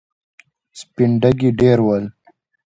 سپين ډکي ډېر ول.